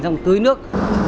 xong tưới nước